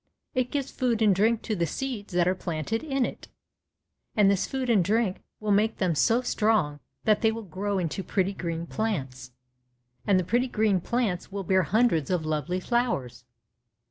It gives food and drink to the seeds that are planted in it, and this food and drink will make them so strong that they will grow into pretty green plants. And the pretty green plants will bear hundreds of lovely flowers."